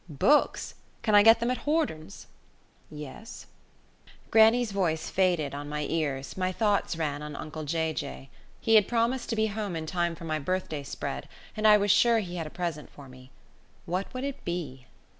"Books! Can I get them at Hordern's?" "Yes." Grannie's voice faded on my ears, my thoughts ran on uncle Jay Jay. He had promised to be home in time for my birthday spread, and I was sure he had a present for me. What would it be?